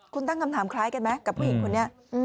คุณตั้งคำถามคล้ายกันไหมกับผู้หญิงคนนี้